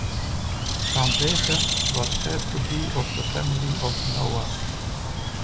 Sambethe was said to be of the family of Noah.